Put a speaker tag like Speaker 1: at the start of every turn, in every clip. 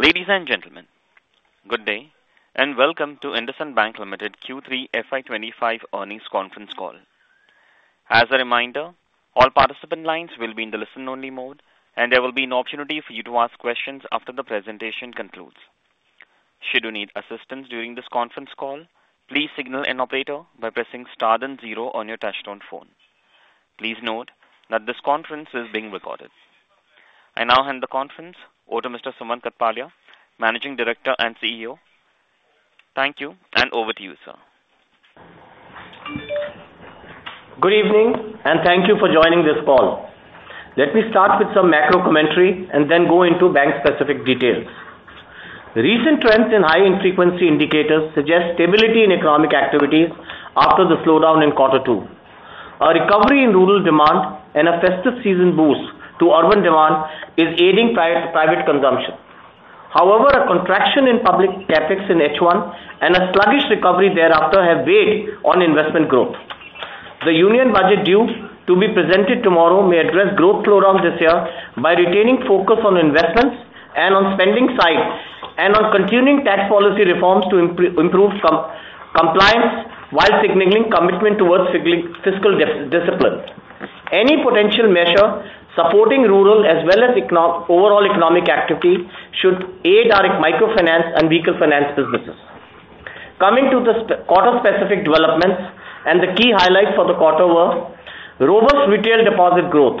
Speaker 1: Ladies and gentlemen, good day and welcome to IndusInd Bank Ltd Q3 FY 2025 earnings conference call. As a reminder, all participant lines will be in the listen-only mode, and there will be an opportunity for you to ask questions after the presentation concludes. Should you need assistance during this conference call, please signal an operator by pressing star then zero on your touch-tone phone. Please note that this conference is being recorded. I now hand the conference over to Mr. Sumant Kathpalia, Managing Director and CEO. Thank you, and over to you, sir.
Speaker 2: Good evening, and thank you for joining this call. Let me start with some macro commentary and then go into bank-specific details. Recent trends in high-frequency indicators suggest stability in economic activities after the slowdown in Q2. A recovery in rural demand and a festive season boost to urban demand is aiding private consumption. However, a contraction in public CapEx in H1 and a sluggish recovery thereafter have weighed on investment growth. The Union Budget due to be presented tomorrow may address growth slowdowns this year by retaining focus on investments and on spending sides and on continuing tax policy reforms to improve compliance while signaling commitment towards fiscal discipline. Any potential measure supporting rural as well as overall economic activity should aid our microfinance and vehicle finance businesses. Coming to the quarter-specific developments, the key highlights for the quarter were robust retail deposit growth.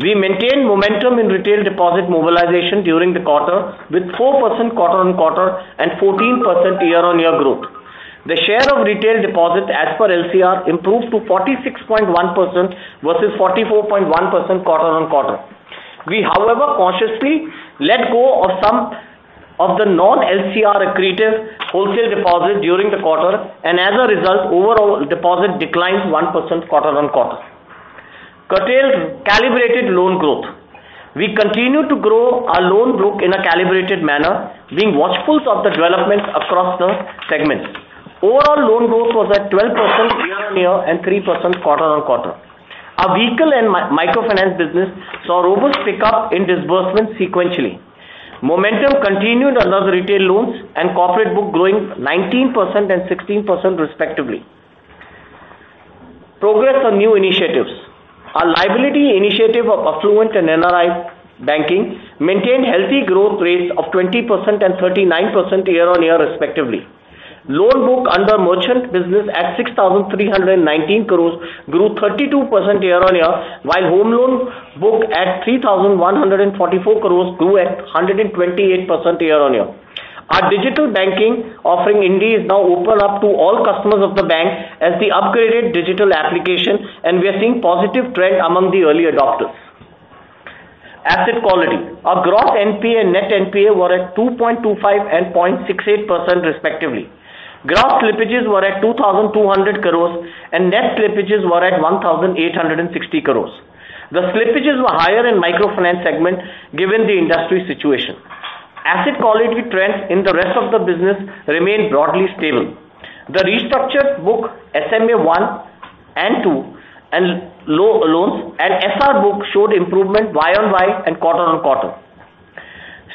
Speaker 2: We maintained momentum in retail deposit mobilization during the quarter with 4% quarter-on-quarter and 14% year-on-year growth. The share of retail deposit, as per LCR, improved to 46.1% versus 44.1% quarter-on-quarter. We, however, consciously let go of some of the non-LCR accretive wholesale deposits during the quarter, and as a result, overall deposit declined 1% quarter-on-quarter. Calibrated loan growth. We continue to grow our loan book in a calibrated manner, being watchful of the developments across the segments. Overall loan growth was at 12% year-on-year and 3% quarter-on-quarter. Our vehicle and microfinance business saw robust pickup in disbursements sequentially. Momentum continued under the retail loans and corporate book growing 19% and 16% respectively. Progress on new initiatives. Our liability initiative of Affluent and NRI Banking maintained healthy growth rates of 20% and 39% year-on-year respectively. Loan book under merchant business at 6,319 crores grew 32% year-on-year, while home loan book at 3,144 crores grew at 128% year-on-year. Our digital banking offering indeed is now open up to all customers of the bank as the upgraded digital application, and we are seeing positive trends among the early adopters. Asset quality. Our gross NPA and net NPA were at 2.25% and 0.68% respectively. Gross slippages were at 2,200 crores, and net slippages were at 1,860 crores. The slippages were higher in the microfinance segment given the industry situation. Asset quality trends in the rest of the business remained broadly stable. The restructured book, SMA-1 and 2, and loans, and SR book showed improvement year-on-year and quarter-on-quarter.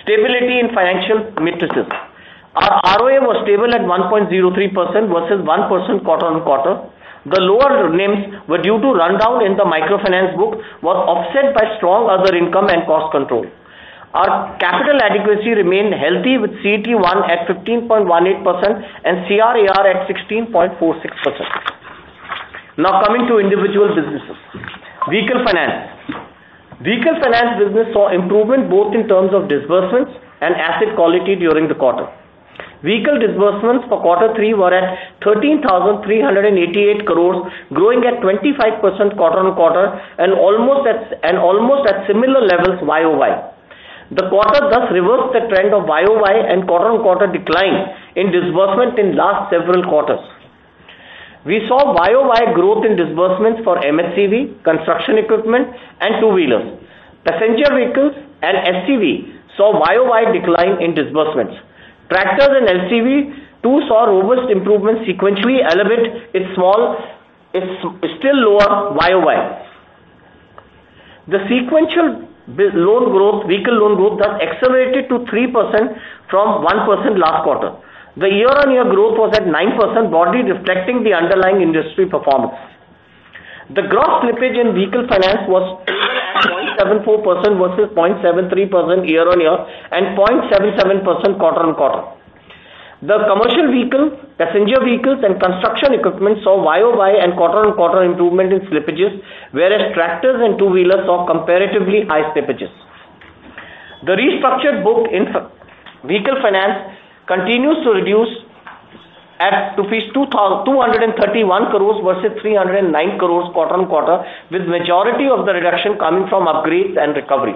Speaker 2: Stability in financial metrics. Our ROA was stable at 1.03% versus 1% quarter-on-quarter. The lower NIMs were due to rundown in the microfinance book but offset by strong other income and cost control. Our capital adequacy remained healthy with CET1 at 15.18% and CRAR at 16.46%. Now coming to individual businesses. Vehicle finance. Vehicle finance business saw improvement both in terms of disbursements and asset quality during the quarter. Vehicle disbursements for Q3 were at 13,388 crores, growing at 25% quarter-on-quarter and almost at similar levels YoY. The quarter thus reversed the trend of YoY and quarter-on-quarter decline in disbursement in the last several quarters. We saw YoY growth in disbursements for M&HCV, construction equipment, and two-wheelers. Passenger vehicles and SCV saw YoY decline in disbursements. Tractors and LCV too saw robust improvement sequentially, elevating its still lower YoY. The sequential vehicle loan growth thus accelerated to 3% from 1% last quarter. The year-on-year growth was at 9%, broadly reflecting the underlying industry performance. The gross slippage in vehicle finance was stable at 0.74% versus 0.73% year-on-year and 0.77% quarter-on-quarter. The commercial vehicle, passenger vehicles, and construction equipment saw YoY and quarter-on-quarter improvement in slippages, whereas tractors and two-wheelers saw comparatively high slippages. The restructured book in vehicle finance continues to reduce to 231 crores versus 309 crores quarter-on-quarter, with the majority of the reduction coming from upgrades and recoveries.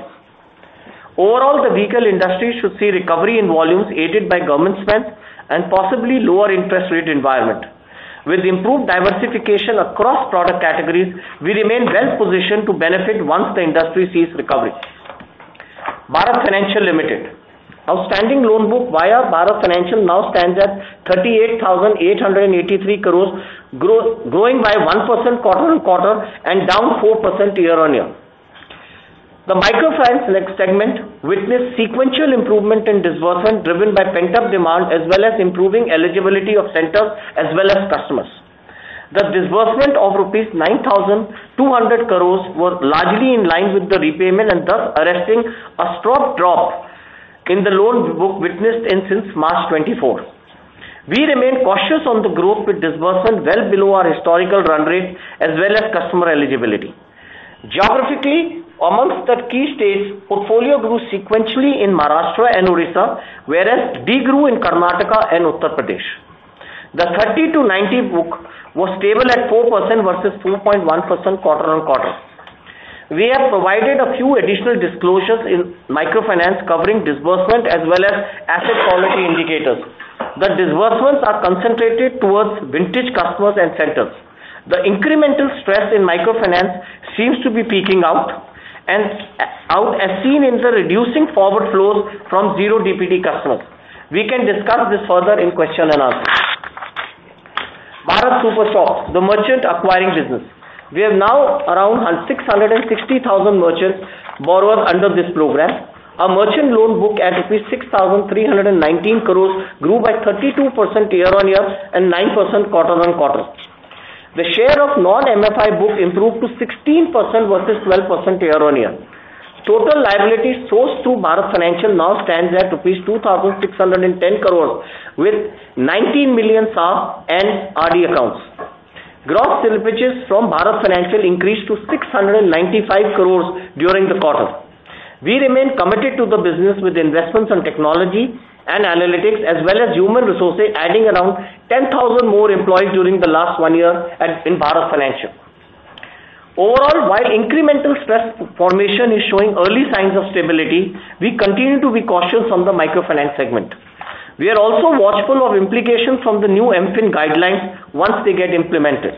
Speaker 2: Overall, the vehicle industry should see recovery in volumes aided by government spend and possibly lower interest rate environment. With improved diversification across product categories, we remain well-positioned to benefit once the industry sees recovery. Bharat Financial Inclusion Limited. Outstanding loan book via Bharat Financial Inclusion now stands at 38,883 crores, growing by 1% quarter-on-quarter and down 4% year-on-year. The microfinance segment witnessed sequential improvement in disbursement driven by pent-up demand as well as improving eligibility of centers as well as customers. The disbursement of 9,200 crores rupees was largely in line with the repayment and thus arresting a strong drop in the loan book witnessed since March 2024. We remain cautious on the growth with disbursement well below our historical run rate as well as customer eligibility. Geographically, among the key states, portfolio grew sequentially in Maharashtra and Odisha, whereas de-grew in Karnataka and Uttar Pradesh. The 30 to 90 book was stable at 4% versus 4.1% quarter-on-quarter. We have provided a few additional disclosures in microfinance covering disbursement as well as asset quality indicators. The disbursements are concentrated towards vintage customers and centers. The incremental stress in microfinance seems to be peaking out, as seen in the reducing forward flows from zero DPD customers. We can discuss this further in question-and-answer. Bharat Super Shop, the merchant acquiring business. We have now around 660,000 merchant borrowers under this program. Our merchant loan book at rupees 6,319 crores grew by 32% year-on-year and 9% quarter-on-quarter. The share of non-MFI book improved to 16% versus 12% year-on-year. Total liability sourced through Bharat Financial now stands at INR 2,610 crores with 19 million SA and RD accounts. Gross slippages from Bharat Financial increased to 695 crores during the quarter. We remain committed to the business with investments in technology and analytics as well as human resources, adding around 10,000 more employees during the last one year in Bharat Financial. Overall, while incremental stress formation is showing early signs of stability, we continue to be cautious on the microfinance segment. We are also watchful of implications from the new MFIN guidelines once they get implemented.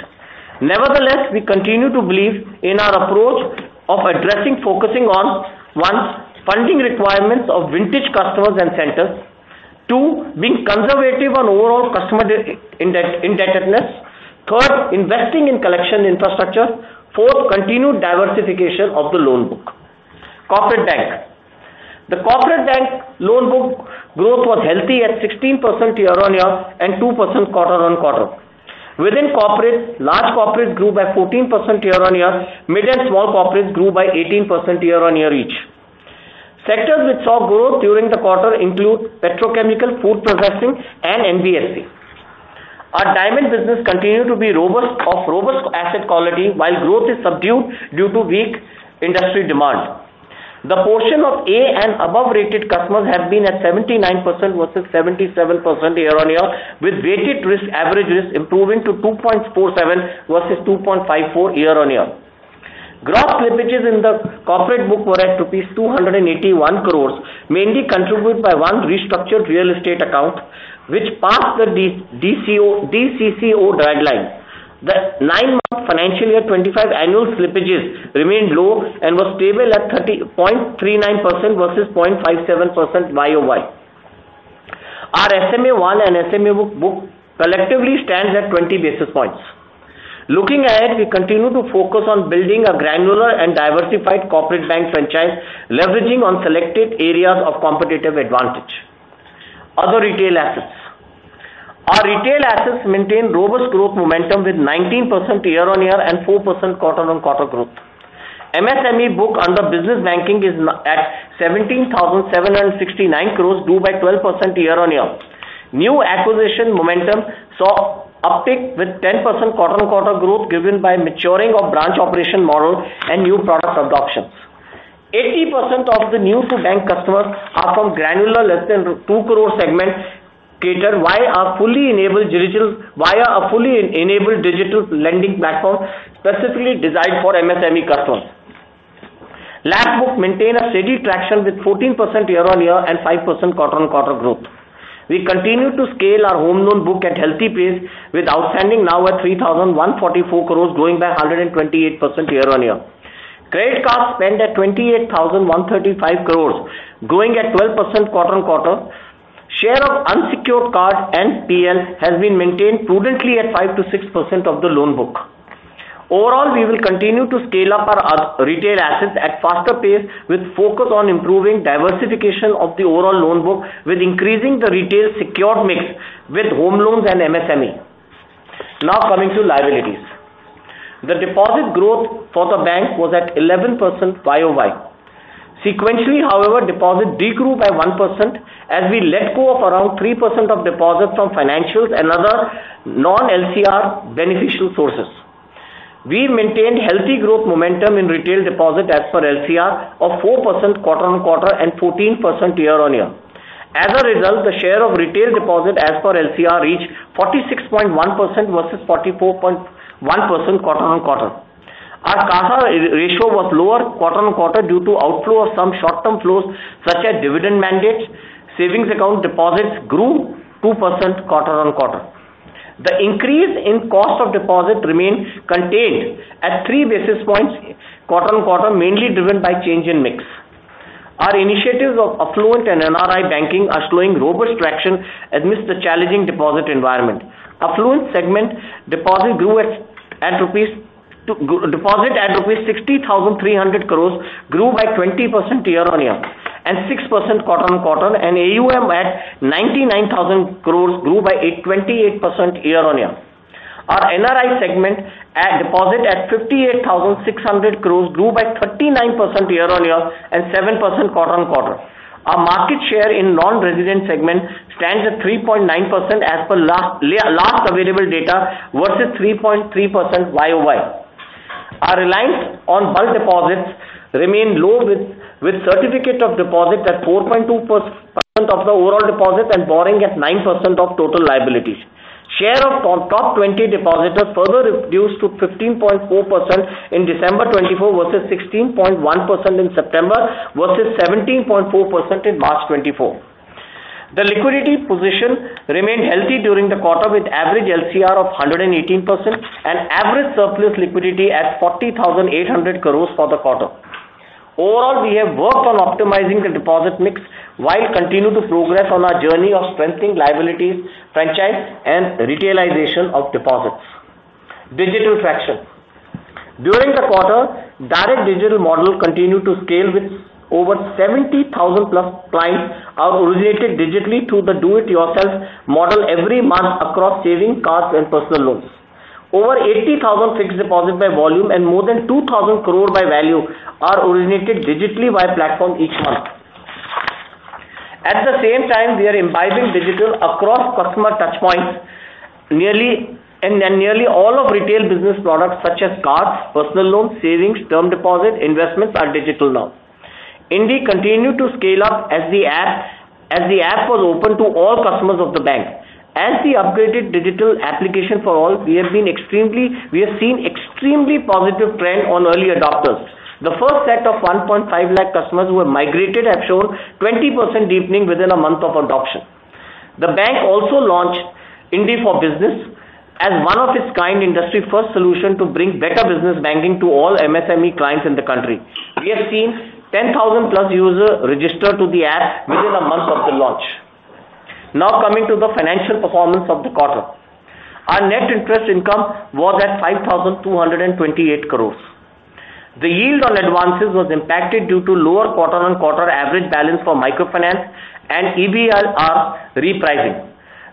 Speaker 2: Nevertheless, we continue to believe in our approach of addressing, focusing on one, funding requirements of vintage customers and centers. Two, being conservative on overall customer indebtedness. Third, investing in collection infrastructure. Fourth, continued diversification of the loan book. Corporate Bank. The corporate bank loan book growth was healthy at 16% year-on-year and 2% quarter-on-quarter. Within corporate, large corporate grew by 14% year-on-year. Mid and small corporate grew by 18% year-on-year each. Sectors which saw growth during the quarter include petrochemical, food processing, and NBFC. Our diamond business continued to be of robust asset quality while growth is subdued due to weak industry demand. The portion of A and above-rated customers have been at 79% versus 77% year-on-year, with weighted average risk improving to 2.47% versus 2.54% year-on-year. Gross slippages in the corporate book were at rupees 281 crores, mainly contributed by one restructured real estate account which passed the DCCO guideline. The nine-month financial year 25 annual slippages remained low and were stable at 0.39% versus 0.57% YoY. Our SMA-1 and SMA-2 Book collectively stand at 20 basis points. Looking ahead, we continue to focus on building a granular and diversified corporate bank franchise, leveraging on selected areas of competitive advantage. Other Retail Assets. Our retail assets maintain robust growth momentum with 19% year-on-year and 4% quarter-on-quarter growth. MSME Book under business banking is at 17,769 crores, grew by 12% year-on-year. New acquisition momentum saw a peak with 10% quarter-on-quarter growth given by maturing of branch operation model and new product adoptions. 80% of the new-to-bank customers are from granular less than 2 crore segment catered via a fully enabled digital lending platform specifically designed for MSME customers. LAP book maintained a steady traction with 14% year-on-year and 5% quarter-on-quarter growth. We continue to scale our home loan book at healthy pace with outstanding now at 3,144 crores, growing by 128% year-on-year. Credit cards spend at 28,135 crores, growing at 12% quarter-on-quarter. Share of unsecured cards and PL has been maintained prudently at 5%-6% of the loan book. Overall, we will continue to scale up our retail assets at faster pace with focus on improving diversification of the overall loan book with increasing the retail secured mix with home loans and MSME. Now coming to liabilities. The deposit growth for the bank was at 11% YoY. Sequentially, however, deposits de-grew by 1% as we let go of around 3% of deposits from financials and other non-LCR beneficial sources. We maintained healthy growth momentum in retail deposits as per LCR of 4% quarter-on-quarter and 14% year-on-year. As a result, the share of retail deposits as per LCR reached 46.1% versus 44.1% quarter-on-quarter. Our CASA ratio was lower quarter-on-quarter due to outflow of some short-term flows such as dividend mandates. Savings account deposits grew 2% quarter-on-quarter. The increase in cost of deposits remained contained at 3 basis points quarter-on-quarter, mainly driven by change in mix. Our initiatives of Affluent and NRI Banking are showing robust traction amidst the challenging deposit environment. Affluent segment deposits at rupees 60,300 crores grew by 20% year-on-year and 6% quarter-on-quarter, and AUM at 99,000 crores grew by 28% year-on-year. Our NRI segment deposits at 58,600 crores grew by 39% year-on-year and 7% quarter-on-quarter. Our market share in non-resident segment stands at 3.9% as per last available data versus 3.3% YoY. Our reliance on bulk deposits remained low with certificate of deposit at 4.2% of the overall deposit and borrowing at 9% of total liabilities. Share of top 20 depositors further reduced to 15.4% in December 2024 versus 16.1% in September versus 17.4% in March 2024. The liquidity position remained healthy during the quarter with average LCR of 118% and average surplus liquidity at 40,800 crores for the quarter. Overall, we have worked on optimizing the deposit mix while continuing to progress on our journey of strengthening liabilities, franchise, and retailization of deposits. Digital Traction. During the quarter, Direct Digital Model continued to scale with over 70,000+ clients who originated digitally through the do-it-yourself model every month across savings, cards and personal loans. Over 80,000 fixed deposits by volume and more than 2,000 crores by value are originated digitally via platform each month. At the same time, we are imbibing digital across customer touchpoints and nearly all of retail business products such as cards, personal loans, savings, term deposit, investments are digital now. Indie continued to scale up as the app was opened to all customers of the bank. As the upgraded digital application for all, we have seen extremely positive trend on early adopters. The first set of 1.5 lac customers who have migrated have shown 20% deepening within a month of adoption. The bank also launched Indie for Business as one of its kind industry-first solution to bring better business banking to all MSME clients in the country. We have seen 10,000+ users register to the app within a month of the launch. Now coming to the financial performance of the quarter. Our net interest income was at 5,228 crores. The yield on advances was impacted due to lower quarter-on-quarter average balance for microfinance and EBLR repricing.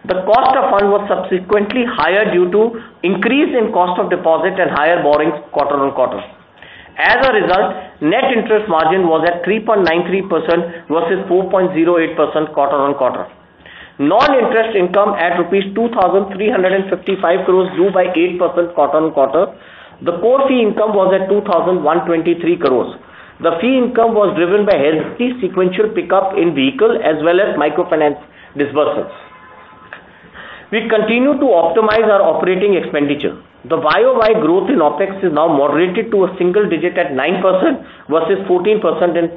Speaker 2: The cost of funds was subsequently higher due to increase in cost of deposit and higher borrowings quarter-on-quarter. As a result, net interest margin was at 3.93% versus 4.08% quarter-on-quarter. Non-interest income at INR 2,355 crores grew by 8% quarter-on-quarter. The core fee income was at INR 2,123 crores. The fee income was driven by healthy sequential pickup in vehicle as well as microfinance disbursements. We continue to optimize our operating expenditure. The YoY growth in OpEx is now moderated to a single digit at 9% versus 14% in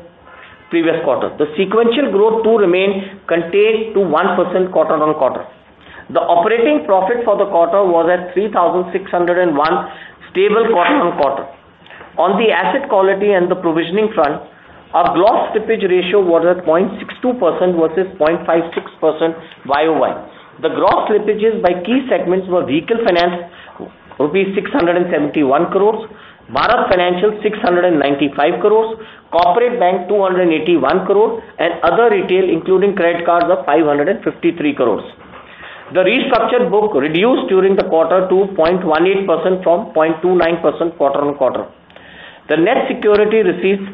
Speaker 2: previous quarter. The sequential growth too remained contained to 1% quarter-on-quarter. The operating profit for the quarter was at 3,601 crores stable quarter-on-quarter. On the asset quality and the provisioning front, our gross slippage ratio was at 0.62% versus 0.56% YoY. The gross slippages by key segments were vehicle finance rupees 671 crores, Bharat Financial 695 crores, corporate bank 281 crores, and other retail including credit cards of 553 crores. The restructured book reduced during the quarter to 0.18% from 0.29% quarter-on-quarter. The net security receipts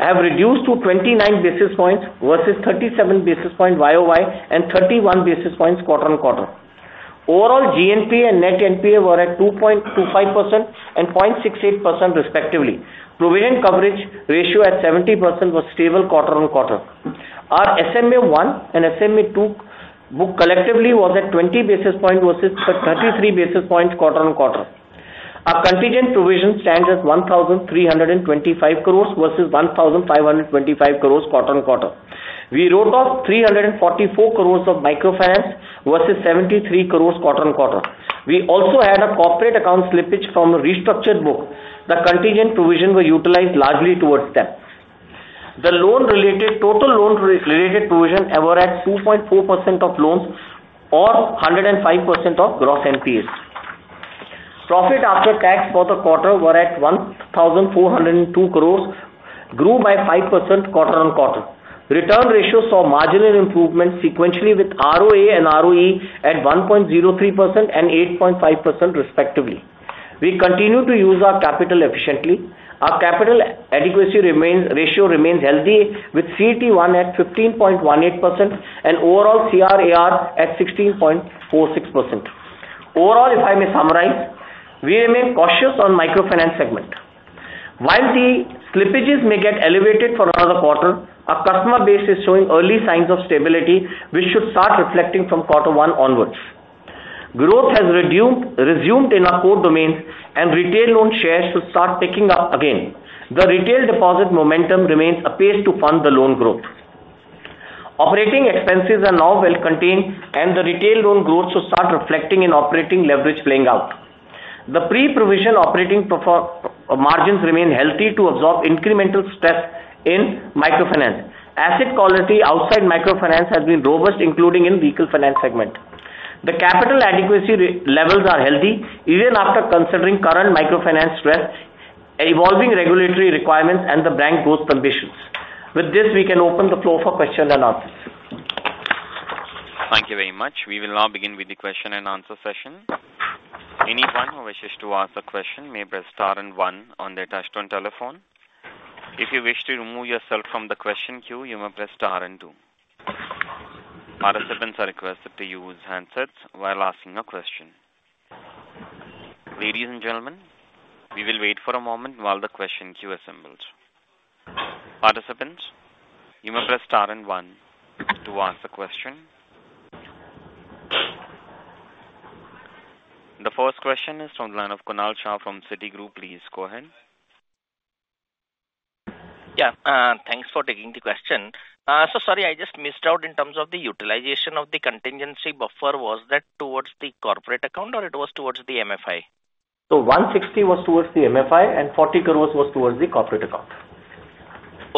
Speaker 2: have reduced to 29 basis points versus 37 basis points YoY and 31 basis points quarter-on-quarter. Overall, GNPA and net NPA were at 2.25% and 0.68% respectively. Provision coverage ratio at 70% was stable quarter-on-quarter. Our SMA-1 and SMA-2 book collectively was at 20 basis points versus 33 basis points quarter-on-quarter. Our contingent provision stands at 1,325 crores versus 1,525 crores quarter-on-quarter. We wrote off 344 crores of microfinance versus 73 crores quarter-on-quarter. We also had a corporate account slippage from a restructured book. The contingent provision was utilized largely towards that. The loan-related total loan-related provision ever at 2.4% of loans or 105% of gross NPAs. Profit after tax for the quarter were at 1,402 crores, grew by 5% quarter-on-quarter. Return ratios saw marginal improvement sequentially with RoA and RoE at 1.03% and 8.5% respectively. We continue to use our capital efficiently. Our capital adequacy ratio remains healthy with CET1 at 15.18% and overall CRAR at 16.46%. Overall, if I may summarize, we remain cautious on microfinance segment. While the slippages may get elevated for another quarter, our customer base is showing early signs of stability, which should start reflecting from quarter one onwards. Growth has resumed in our core domains, and retail loan shares should start picking up again. The retail deposit momentum remains apace to fund the loan growth. Operating expenses are now well contained, and the retail loan growth should start reflecting in operating leverage playing out. The pre-provision operating margins remain healthy to absorb incremental stress in microfinance. Asset quality outside microfinance has been robust, including in vehicle finance segment. The capital adequacy levels are healthy even after considering current microfinance stress, evolving regulatory requirements, and the bank growth conditions. With this, we can open the floor for questions-and-answers.
Speaker 1: Thank you very much. We will now begin with the question and answer session. Anyone who wishes to ask a question may press star and one on their touch-tone telephone. If you wish to remove yourself from the question queue, you may press star and two. Participants are requested to use handsets while asking a question. Ladies and gentlemen, we will wait for a moment while the question queue assembles. Participants, you may press star and one to ask a question. The first question is from the line of Kunal Shah from Citigroup. Please go ahead.
Speaker 3: Yeah, thanks for taking the question. So sorry, I just missed out in terms of the utilization of the contingency buffer. Was that towards the corporate account or it was towards the MFI?
Speaker 2: So 160 crores was towards the MFI and 40 crores was towards the corporate account.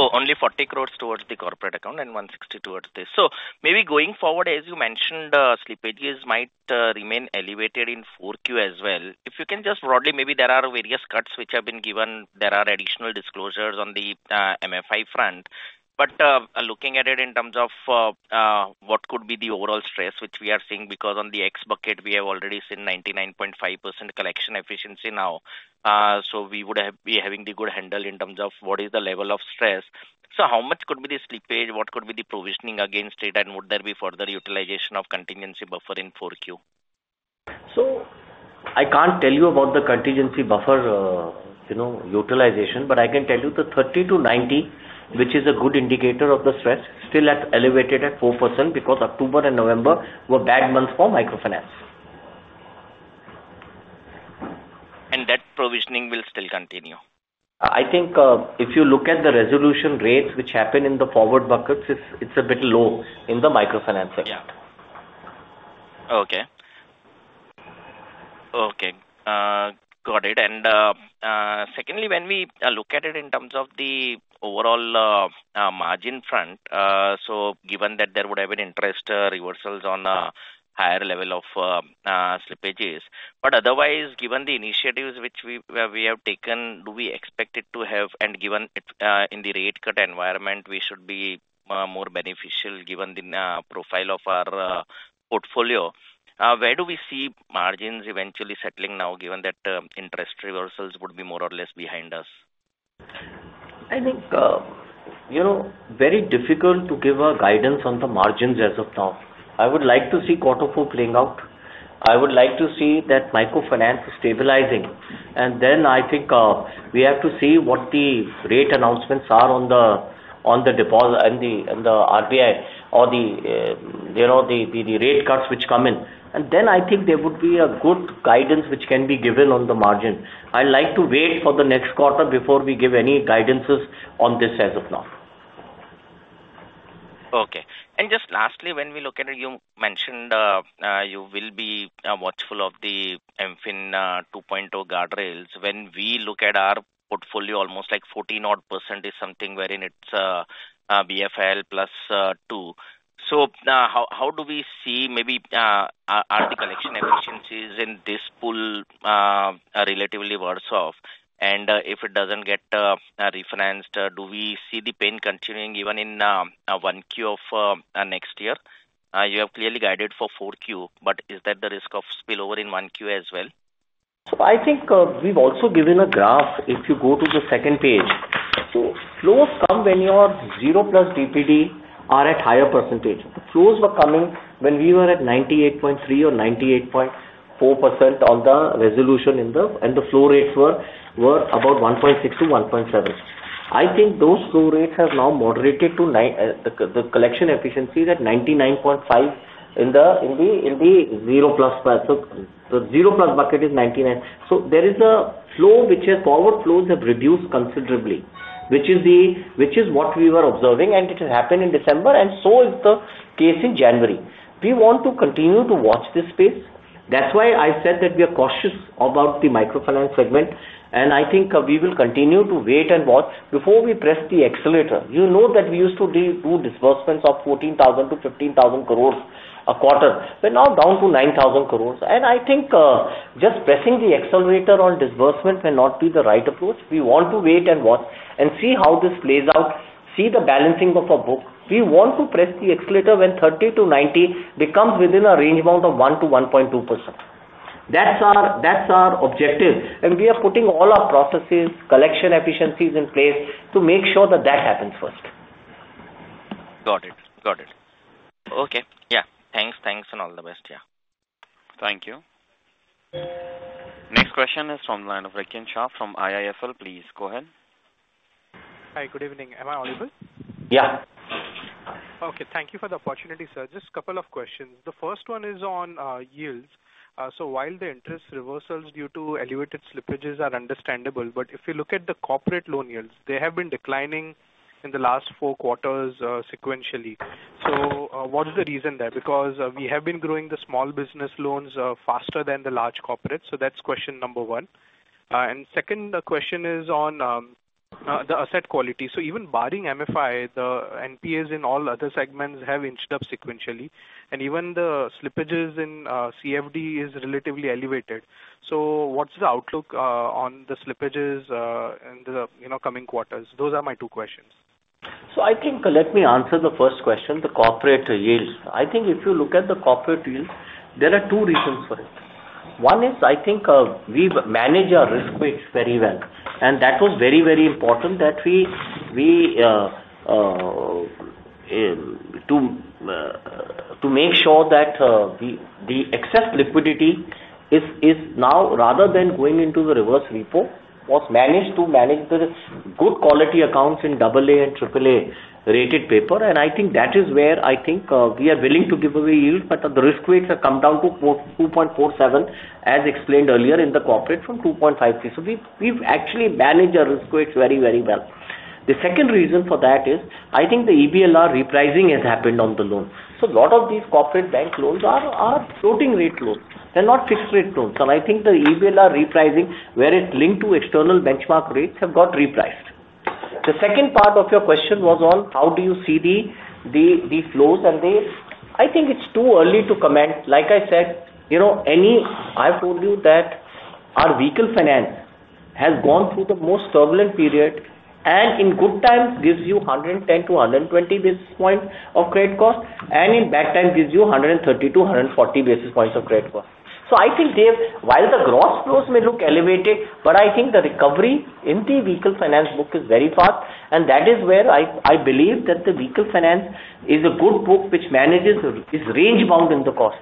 Speaker 3: Oh, only 40 crores towards the corporate account and 160 crores towards this. So maybe going forward, as you mentioned, slippages might remain elevated in 4Q as well. If you can just broadly, maybe there are various cuts which have been given. There are additional disclosures on the MFI front. But looking at it in terms of what could be the overall stress which we are seeing, because on the X bucket, we have already seen 99.5% collection efficiency now. So we would be having the good handle in terms of what is the level of stress. So how much could be the slippage? What could be the provisioning against it? And would there be further utilization of contingency buffer in 4Q?
Speaker 2: So I can't tell you about the contingency buffer utilization, but I can tell you the 30-90, which is a good indicator of the stress, still elevated at 4% because October and November were bad months for microfinance.
Speaker 3: And that provisioning will still continue?
Speaker 2: I think if you look at the resolution rates which happen in the forward buckets, it's a bit low in the microfinance segment.
Speaker 3: Yeah. Okay. Okay. Got it. And secondly, when we look at it in terms of the overall margin front, so given that there would have been interest reversals on a higher level of slippages. But otherwise, given the initiatives which we have taken, do we expect it to have? And given in the rate cut environment, we should be more beneficial given the profile of our portfolio. Where do we see margins eventually settling now, given that interest reversals would be more or less behind us?
Speaker 2: I think very difficult to give a guidance on the margins as of now. I would like to see quarter four playing out. I would like to see that microfinance stabilizing. And then I think we have to see what the rate announcements are on the deposit and the RBI or the rate cuts which come in. And then I think there would be a good guidance which can be given on the margin. I'd like to wait for the next quarter before we give any guidances on this as of now.
Speaker 3: Okay. And just lastly, when we look at it, you mentioned you will be watchful of the MFIN 2.0 guardrails. When we look at our portfolio, almost like 14-odd% is something wherein it's BFIL plus 2. So how do we see maybe our collection efficiencies in this pool relatively worse off? And if it doesn't get refinanced, do we see the pain continuing even in 1Q of next year? You have clearly guided for 4Q, but is that the risk of spillover in 1Q as well?
Speaker 2: So I think we've also given a graph if you go to the second page. So flows come when your zero plus DPD are at higher percentage. The flows were coming when we were at 98.3% or 98.4% on the resolution in the, and the flow rates were about 1.6-1.7. I think those flow rates have now moderated to the collection efficiency is at 99.5% in the zero plus bucket. So the zero plus bucket is 99%. So there is a flow which has forward flows have reduced considerably, which is what we were observing, and it has happened in December, and so is the case in January. We want to continue to watch this space. That's why I said that we are cautious about the microfinance segment, and I think we will continue to wait and watch before we press the accelerator. You know that we used to do disbursements of 14,000 crores-INR15,000 crores a quarter. We're now down to 9,000 crores. I think just pressing the accelerator on disbursement may not be the right approach. We want to wait and watch and see how this plays out, see the balancing of our book. We want to press the accelerator when 30-90 becomes within a range amount of 1%-1.2%. That's our objective, and we are putting all our processes, collection efficiencies in place to make sure that that happens first.
Speaker 3: Got it. Got it.
Speaker 2: Okay.
Speaker 3: Yeah. Thanks. Thanks and all the best. Yeah.
Speaker 1: Thank you. Next question is from the line of Rikin Shah from IIFL. Please go ahead. Hi. Good evening.
Speaker 4: Am I audible?
Speaker 2: Yeah.
Speaker 4: Okay. Thank you for the opportunity, sir. Just a couple of questions. The first one is on yields. So while the interest reversals due to elevated slippages are understandable, but if you look at the corporate loan yields, they have been declining in the last four quarters sequentially. So what is the reason there? Because we have been growing the small business loans faster than the large corporates. So that's question number one. And second question is on the asset quality. So even barring MFI, the NPAs in all other segments have inched up sequentially, and even the slippages in CFD is relatively elevated. So what's the outlook on the slippages in the coming quarters? Those are my two questions.
Speaker 2: So I think let me answer the first question, the corporate yields. I think if you look at the corporate yields, there are two reasons for it. One is, I think, we manage our risk profile very well, and that was very, very important that we make sure that the excess liquidity is now, rather than going into the reverse repo, managed to manage the good quality accounts in AA and AAA rated paper, and I think that is where I think we are willing to give away yield, but the risk weights have come down to 2.47, as explained earlier in the corporate from 2.54, so we've actually managed our risk weights very, very well. The second reason for that is, I think, the EBLR repricing has happened on the loan, so a lot of these corporate bank loans are floating rate loans. They're not fixed rate loans, and I think the EBLR repricing, where it's linked to external benchmark rates, have got repriced. The second part of your question was on how do you see the flows and the. I think it's too early to comment. Like I said, I've told you that our vehicle finance has gone through the most turbulent period, and in good times gives you 110-120 basis points of credit cost, and in bad times gives you 130-140 basis points of credit cost. So I think while the gross flows may look elevated, but I think the recovery in the vehicle finance book is very fast, and that is where I believe that the vehicle finance is a good book which manages, its range bound in the cost.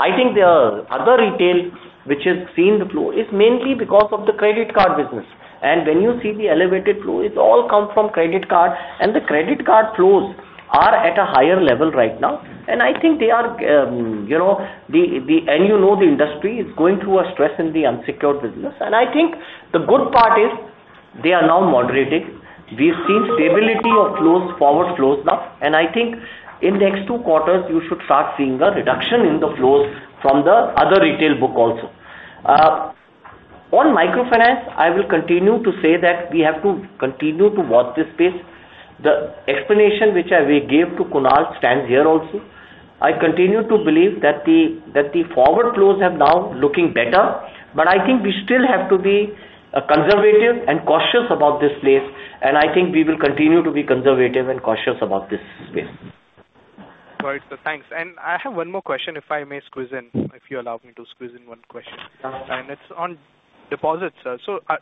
Speaker 2: I think the other retail which has seen the flow is mainly because of the credit card business. And when you see the elevated flow, it's all come from credit card, and the credit card flows are at a higher level right now. And I think they are, and you know the industry is going through a stress in the unsecured business. And I think the good part is they are now moderating. We've seen stability of flows, forward flows now. And I think in next two quarters, you should start seeing a reduction in the flows from the other retail book also. On microfinance, I will continue to say that we have to continue to watch this space. The explanation which I gave to Kunal stands here also. I continue to believe that the forward flows have now looking better, but I think we still have to be conservative and cautious about this space. I think we will continue to be conservative and cautious about this space.
Speaker 4: Right. Thanks. I have one more question, if I may squeeze in, if you allow me to squeeze in one question. It's on deposits.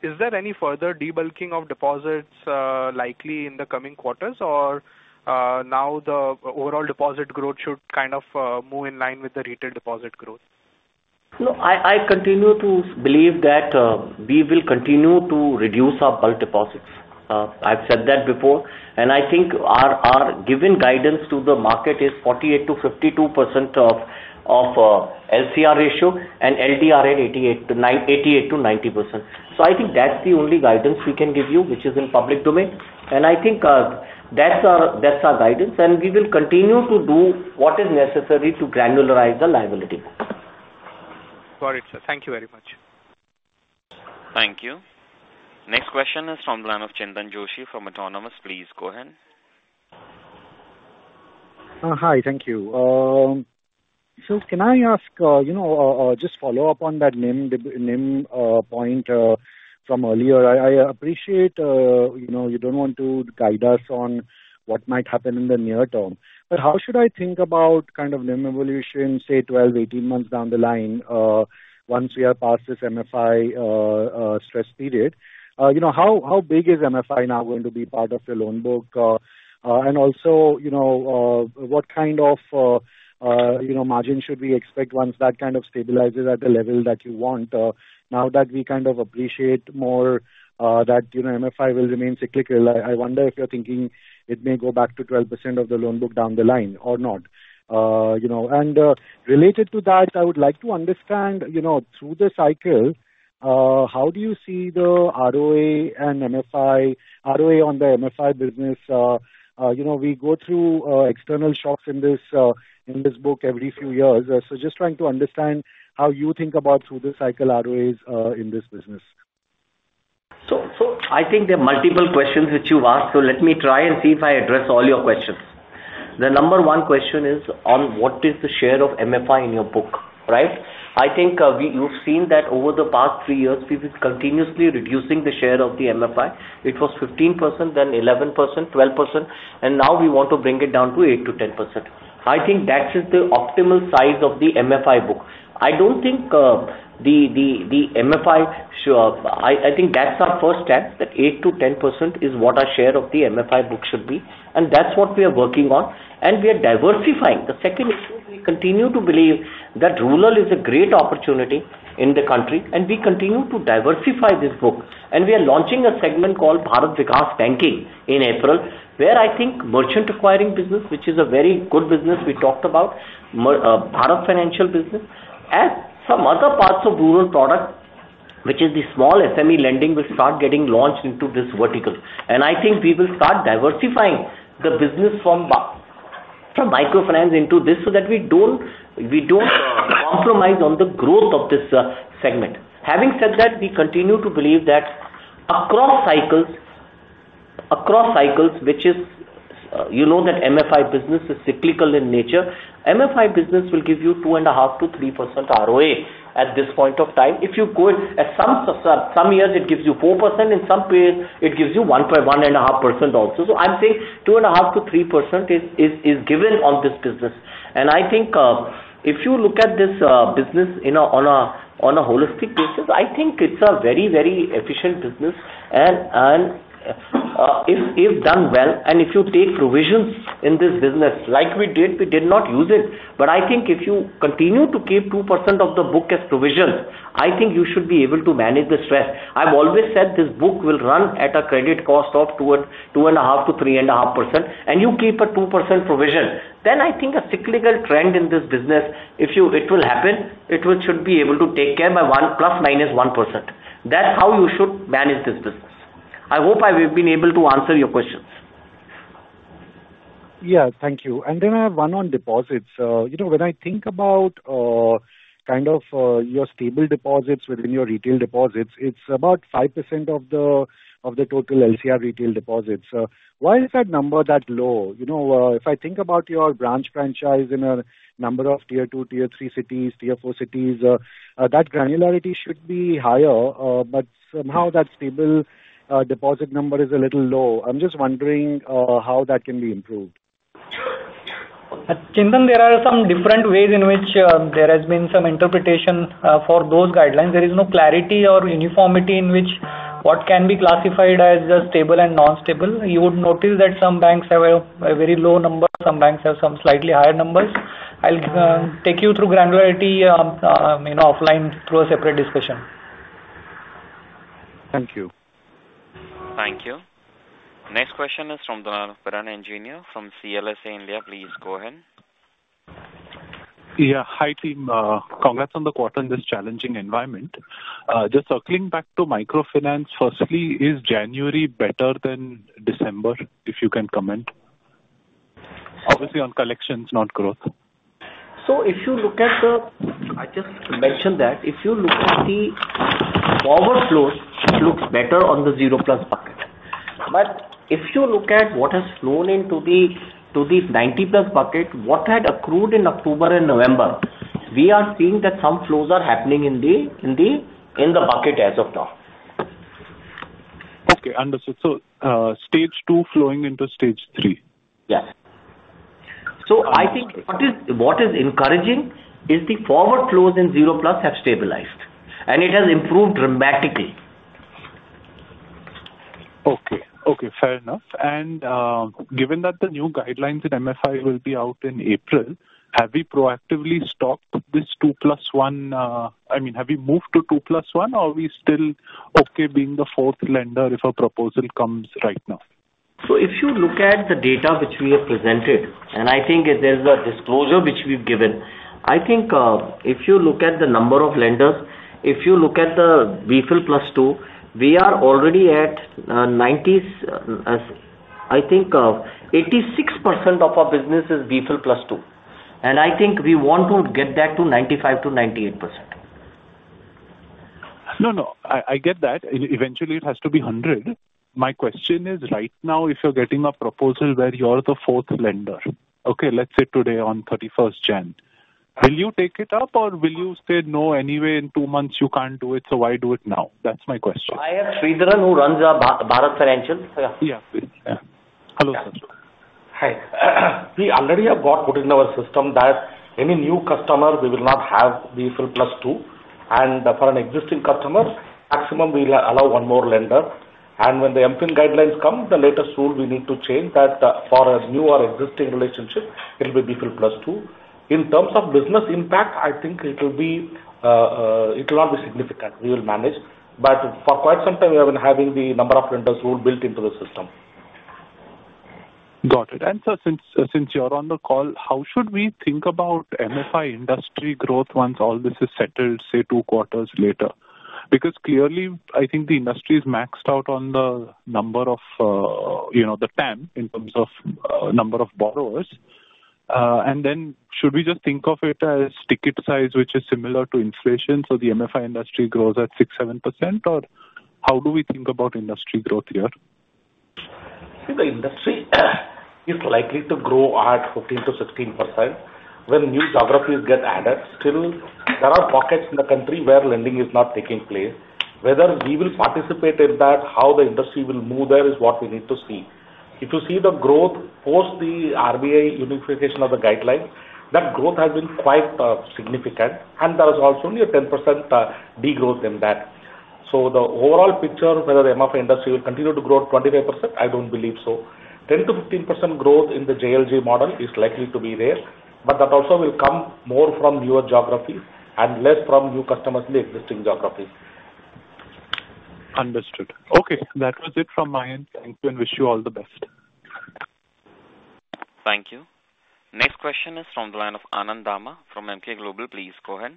Speaker 4: Is there any further debulking of deposits likely in the coming quarters, or now the overall deposit growth should kind of move in line with the retail deposit growth?
Speaker 2: No, I continue to believe that we will continue to reduce our bulk deposits. I've said that before. I think our given guidance to the market is 48%-52% of LCR ratio and LDR 88%-90%. I think that's the only guidance we can give you, which is in public domain. I think that's our guidance, and we will continue to do what is necessary to granularize the liability book.
Speaker 4: Got it, sir. Thank you very much.
Speaker 1: Thank you. Next question is from the line of Chintan Joshi from Autonomous. Please go ahead.
Speaker 5: Hi. Thank you. So can I ask just follow up on that NIM point from earlier? I appreciate you don't want to guide us on what might happen in the near term. But how should I think about kind of NIM evolution, say 12, 18 months down the line, once we are past this MFI stress period? How big is MFI now going to be part of your loan book? And also, what kind of margin should we expect once that kind of stabilizes at the level that you want? Now that we kind of appreciate more that MFI will remain cyclical, I wonder if you're thinking it may go back to 12% of the loan book down the line or not. Related to that, I would like to understand, through this cycle, how do you see the ROA and MFI ROA on the MFI business? We go through external shocks in this book every few years. Just trying to understand how you think about through the cycle ROAs in this business.
Speaker 2: I think there are multiple questions which you've asked, so let me try and see if I address all your questions. The number one question is on what is the share of MFI in your book, right? I think you've seen that over the past three years, we've been continuously reducing the share of the MFI. It was 15%, then 11%, 12%, and now we want to bring it down to 8%-10%. I think that is the optimal size of the MFI book. I don't think the MFI. I think that's our first step, that 8%-10% is what our share of the MFI book should be. And that's what we are working on, and we are diversifying. The second issue, we continue to believe that rural is a great opportunity in the country, and we continue to diversify this book. And we are launching a segment called Bharat Vikas Banking in April, where I think merchant acquiring business, which is a very good business we talked about, Bharat Financial business, and some other parts of rural product, which is the small SME lending, will start getting launched into this vertical. And I think we will start diversifying the business from microfinance into this so that we don't compromise on the growth of this segment. Having said that, we continue to believe that across cycles, which is, you know, that MFI business is cyclical in nature. MFI business will give you 2.5%-3% ROA at this point of time. If you go at some years, it gives you 4%. In some period, it gives you 1.5% also. So I'm saying 2.5%-3% is given on this business. And I think if you look at this business on a holistic basis, I think it's a very, very efficient business. And if done well, and if you take provisions in this business, like we did, we did not use it. But I think if you continue to keep 2% of the book as provisions, I think you should be able to manage the stress. I've always said this book will run at a credit cost of 2.5%-3.5%, and you keep a 2% provision. Then I think a cyclical trend in this business, if it will happen, it should be able to take care by plus -1%. That's how you should manage this business. I hope I have been able to answer your questions.
Speaker 5: Yeah. Thank you. And then I have one on deposits. When I think about kind of your stable deposits within your retail deposits, it's about 5% of the total LCR retail deposits. Why is that number that low? If I think about your branch franchise in a number of tier two, tier three cities, tier four cities, that granularity should be higher, but somehow that stable deposit number is a little low. I'm just wondering how that can be improved.
Speaker 6: Chintan, there are some different ways in which there has been some interpretation for those guidelines. There is no clarity or uniformity in which what can be classified as stable and non-stable. You would notice that some banks have a very low number, some banks have some slightly higher numbers. I'll take you through granularity offline through a separate discussion.
Speaker 5: Thank you.
Speaker 1: Thank you. Next question is from Piran Engineer from CLSA India. Please go ahead.
Speaker 7: Yeah. Hi team. Congrats on the quarter in this challenging environment. Just circling back to microfinance, firstly, is January better than December, if you can comment? Obviously, on collections, not growth.
Speaker 2: So if you look at the I just mentioned that if you look at the forward flows, it looks better on the zero-plus bucket. But if you look at what has flown into the 90-plus bucket, what had accrued in October and November, we are seeing that some flows are happening in the bucket as of now.
Speaker 7: Okay. Understood. So stage two flowing into stage three.
Speaker 2: Yes. So I think what is encouraging is the forward flows in zero-plus have stabilized, and it has improved dramatically.
Speaker 7: Okay. Okay. Fair enough. And given that the new guidelines in MFI will be out in April, have we proactively stopped this two plus one? I mean, have we moved to two plus one, or are we still okay being the fourth lender if a proposal comes right now?
Speaker 2: So if you look at the data which we have presented, and I think there's a disclosure which we've given, I think if you look at the number of lenders, if you look at the BFIL plus two, we are already at 90, I think 86% of our business is BFIL plus two. And I think we want to get that to 95%-98%.
Speaker 7: No, no. I get that. Eventually, it has to be 100%. My question is right now, if you're getting a proposal where you're the fourth lender, okay, let's say today on 31st January, will you take it up, or will you say, "No, anyway, in two months, you can't do it, so why do it now?" That's my question.
Speaker 2: I have Sridharan who runs Bharat Financial.
Speaker 8: Yeah. Hello, sir. Hi. We already have got put in our system that any new customer, we will not have BFIL Plus Two, and for an existing customer, maximum we'll allow one more lender, and when the MFIN guidelines come, the latest rule we need to change that for a new or existing relationship, it'll be BFIL Plus Two. In terms of business impact, I think it'll not be significant. We will manage, but for quite some time, we have been having the number of lenders rule built into the system.
Speaker 7: Got it. Sir, since you're on the call, how should we think about MFI industry growth once all this is settled, say, two quarters later? Because clearly, I think the industry is maxed out on the number of the TAM in terms of number of borrowers. And then should we just think of it as ticket size, which is similar to inflation, so the MFI industry grows at 6%-7%, or how do we think about industry growth here?
Speaker 8: See, the industry is likely to grow at 15%-16%. When new geographies get added, still, there are pockets in the country where lending is not taking place. Whether we will participate in that, how the industry will move there is what we need to see. If you see the growth post the RBI unification of the guidelines, that growth has been quite significant, and there was also only a 10% degrowth in that. So the overall picture, whether the MFI industry will continue to grow 25%, I don't believe so. 10%-15% growth in the JLG model is likely to be there, but that also will come more from newer geographies and less from new customers in the existing geographies.
Speaker 7: Understood. Okay. That was it from my end. Thank you and wish you all the best.
Speaker 1: Thank you. Next question is from the line of Anand Dama from Emkay Global. Please go ahead.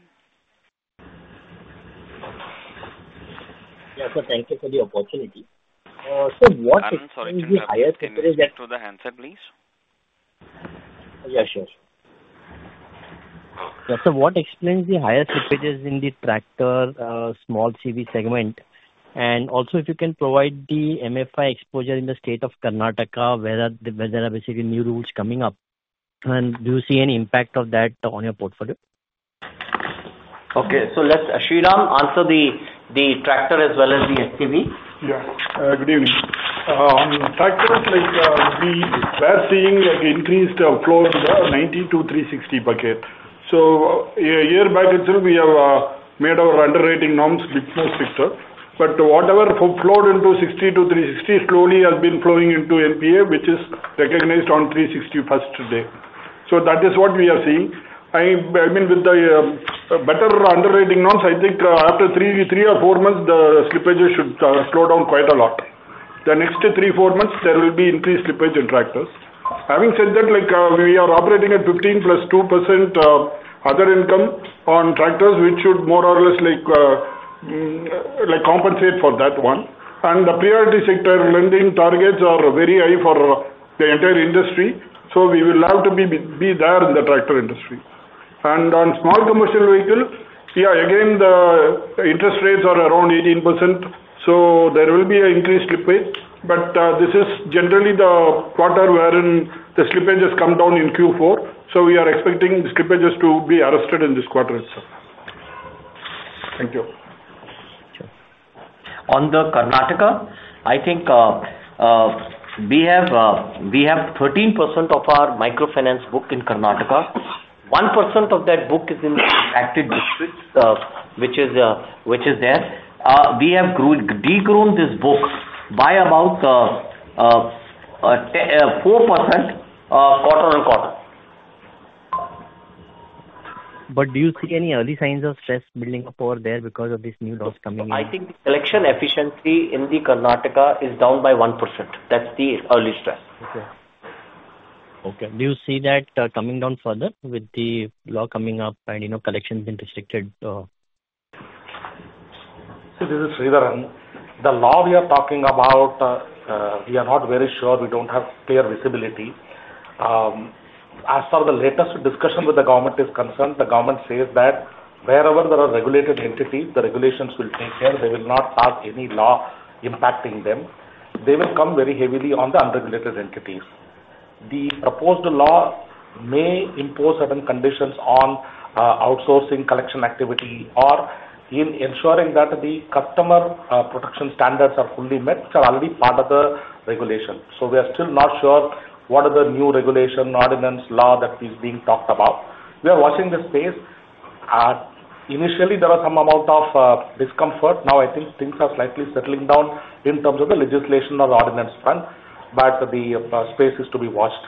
Speaker 9: Yes, sir. Thank you for the opportunity. So what explains the highest leakage in the-
Speaker 1: Go ahead and explain to the handset, please.
Speaker 9: Yeah, sure. Yes, sir. What explains the highest leakages in the tractor, small CV segment? And also, if you can provide the MFI exposure in the state of Karnataka, where there are basically new rules coming up, and do you see any impact of that on your portfolio?
Speaker 2: Okay. So let Sriram answer the tractor as well as the SCV.
Speaker 10: Yeah. Good evening. On tractors, we are seeing an increased flow in the 90-360 bucket. So a year back, we have made our underwriting norms much stricter. But whatever flowed into 60-360 slowly has been flowing into NPA, which is recognized on 360 first day. So that is what we are seeing. I mean, with the better underwriting norms, I think after three or four months, the slippages should slow down quite a lot. The next three, four months, there will be increased slippage in tractors. Having said that, we are operating at 15 plus 2% other income on tractors, which should more or less compensate for that one. And the priority sector lending targets are very high for the entire industry, so we will have to be there in the tractor industry. On small commercial vehicle, yeah, again, the interest rates are around 18%, so there will be an increased slippage. But this is generally the quarter wherein the slippages come down in Q4, so we are expecting the slippages to be arrested in this quarter itself.
Speaker 9: Thank you.
Speaker 2: On the Karnataka, I think we have 13% of our microfinance book in Karnataka. 1% of that book is in the active district, which is there. We have degrown this book by about 4% quarter on quarter.
Speaker 9: But do you see any early signs of stress building up over there because of these new laws coming in?
Speaker 2: I think the collection efficiency in the Karnataka is down by 1%. That's the early stress.
Speaker 9: Okay.
Speaker 2: Okay. Do you see that coming down further with the law coming up and collections being restricted?
Speaker 8: See, this is Sridharan. The law we are talking about, we are not very sure. We don't have clear visibility. As for the latest discussion with the government is concerned, the government says that wherever there are regulated entities, the regulations will take care. They will not have any law impacting them. They will come very heavily on the unregulated entities. The proposed law may impose certain conditions on outsourcing collection activity or in ensuring that the customer protection standards are fully met. It's already part of the regulation. So we are still not sure what are the new regulation ordinance law that is being talked about. We are watching the space. Initially, there was some amount of discomfort. Now, I think things are slightly settling down in terms of the legislation on the ordinance front, but the space is to be watched.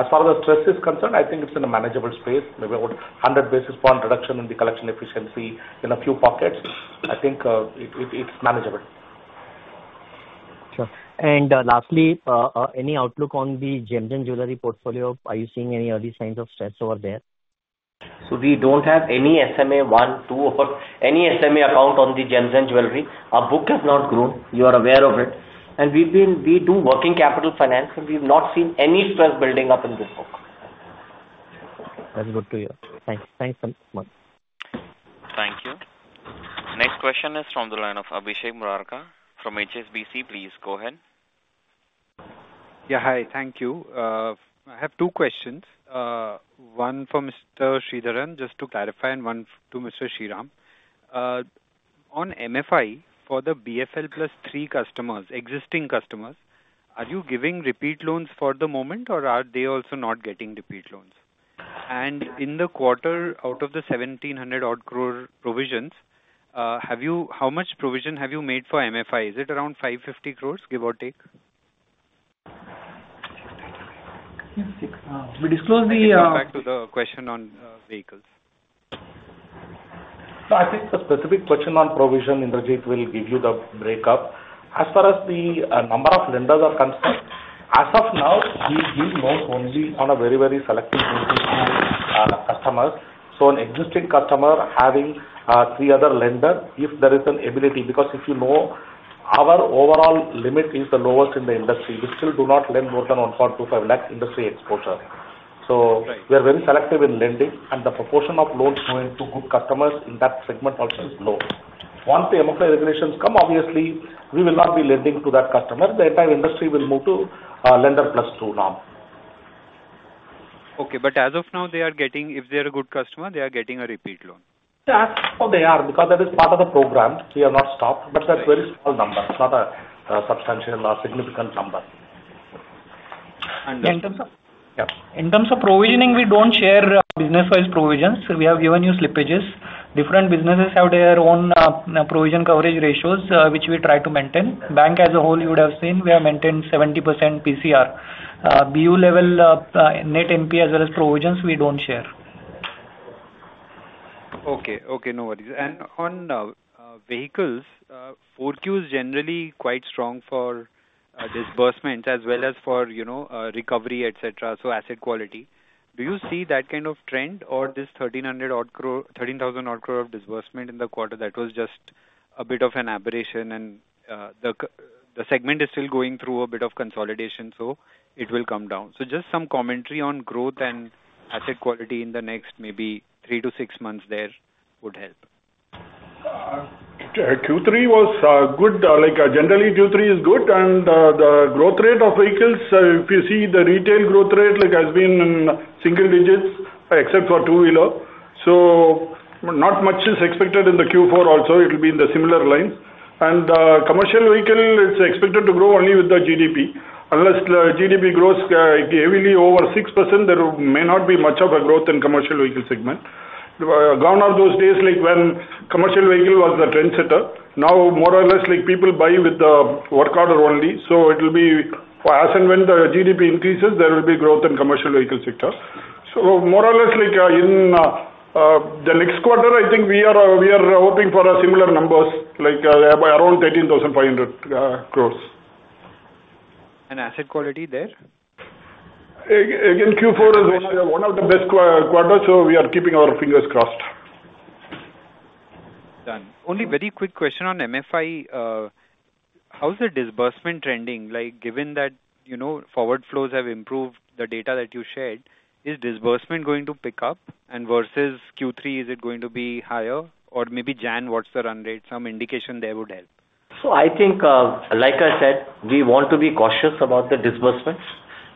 Speaker 8: As far as the stress is concerned, I think it's in a manageable space. Maybe about 100 basis points reduction in the collection efficiency in a few pockets. I think it's manageable.
Speaker 9: Sure. And lastly, any outlook on the Gems and Jewellery portfolio? Are you seeing any early signs of stress over there?
Speaker 2: So we don't have any SMA one, two, or any SMA account on the Gems and Jewellery. Our book has not grown. You are aware of it. And we do working capital finance, and we have not seen any stress building up in this book.
Speaker 9: That's good to hear.
Speaker 2: Thanks.
Speaker 9: Thanks so much.
Speaker 1: Thank you. Next question is from the line of Abhishek Murarka from HSBC. Please go ahead.
Speaker 11: Yeah. Hi. Thank you. I have two questions. One for Mr. Sridharan, just to clarify, and one to Mr. Sriram. On MFI for the BFIL Plus Three customers, existing customers, are you giving repeat loans for the moment, or are they also not getting repeat loans? And in the quarter, out of the 1,700-odd crore provisions, how much provision have you made for MFI? Is it around 550 crores, give or take?
Speaker 8: We disclose the.
Speaker 11: Going back to the question on vehicles.
Speaker 8: So I think the specific question on provision, Indrajit, will give you the breakup. As far as the number of lenders are concerned, as of now, we deal most only on a very, very selective group of customers. So an existing customer having three other lenders, if there is an ability, because if you know, our overall limit is the lowest in the industry. We still do not lend more than 1.25 lac industry exposure. So we are very selective in lending, and the proportion of loans going to good customers in that segment also is low. Once the MFI regulations come, obviously, we will not be lending to that customer. The entire industry will move to Lender Plus Two now.
Speaker 11: Okay. But as of now, they are getting, if they are a good customer, they are getting a repeat loan.
Speaker 8: Oh, they are because that is part of the program. We have not stopped, but that's a very small number. It's not a substantial or significant number.
Speaker 6: Yeah. In terms of provisioning, we don't share business-wise provisions. We have given you slippages. Different businesses have their own provision coverage ratios, which we try to maintain. Bank as a whole, you would have seen we have maintained 70% PCR. BU level Net NPA as well as provisions, we don't share.
Speaker 11: Okay. Okay. No worries. On vehicles, for Q3 is generally quite strong for disbursements as well as for recovery, etc., so asset quality. Do you see that kind of trend or this 13,000-odd crore of disbursement in the quarter? That was just a bit of an aberration, and the segment is still going through a bit of consolidation, so it will come down. Just some commentary on growth and asset quality in the next maybe three to six months there would help.
Speaker 10: Q3 was good. Generally, Q3 is good, and the growth rate of vehicles, if you see the retail growth rate, has been in single digits except for two-wheeler. Not much is expected in the Q4 also. It will be in the similar lines. Commercial vehicle, it's expected to grow only with the GDP. Unless the GDP grows heavily over 6%, there may not be much of a growth in the commercial vehicle segment. Gone are those days when commercial vehicle was the trendsetter. Now, more or less, people buy with the work order only. So it will be as and when the GDP increases, there will be growth in the commercial vehicle sector. So more or less, in the next quarter, I think we are hoping for similar numbers, around 13,500 crores.
Speaker 11: And asset quality there?
Speaker 10: Again, Q4 is one of the best quarters, so we are keeping our fingers crossed. Done. Only very quick question on MFI. How's the disbursement trending? Given that forward flows have improved, the data that you shared, is disbursement going to pick up? And versus Q3, is it going to be higher? Or maybe January, what's the run rate? Some indication there would help.
Speaker 2: So I think, like I said, we want to be cautious about the disbursements,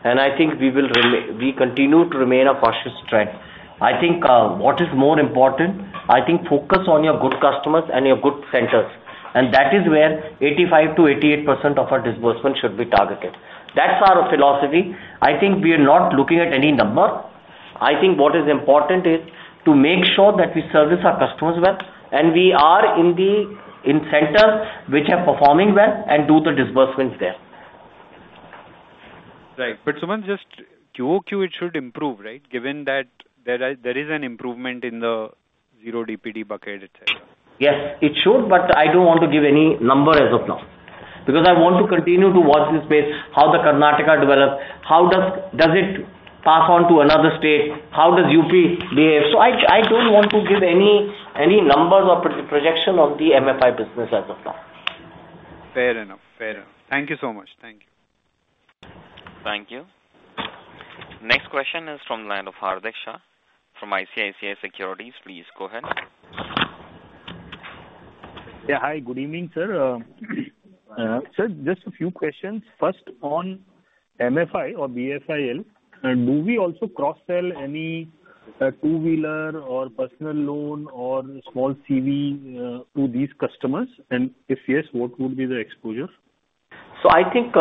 Speaker 2: and I think we continue to remain a cautious trend. I think what is more important, I think focus on your good customers and your good centers. And that is where 85%-88% of our disbursement should be targeted. That's our philosophy. I think we are not looking at any number. I think what is important is to make sure that we service our customers well, and we are in the centers which are performing well and do the disbursements there.
Speaker 11: Right. But Sumant, just QoQ, it should improve, right? Given that there is an improvement in the 0 DPD bucket, etc.
Speaker 2: Yes, it should, but I don't want to give any number as of now because I want to continue to watch this space, how the Karnataka develops, how does it pass on to another state, how does UP behave. So I don't want to give any numbers or projection on the MFI business as of now.
Speaker 11: Fair enough. Fair enough. Thank you so much. Thank you.
Speaker 1: Thank you. Next question is from the line of Hardik Shah from ICICI Securities. Please go ahead.
Speaker 12: Yeah. Hi. Good evening, sir. Sir, just a few questions. First, on MFI or BFIL, do we also cross-sell any two-wheeler or personal loan or small CV to these customers? And if yes, what would be the exposure?
Speaker 2: So I think